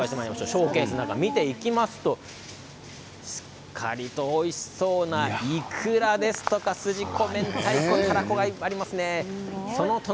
ショーケースの方見ていきますとおいしそうな、いくらですとかすじこめんたいこ、たらこがいっぱいありますね。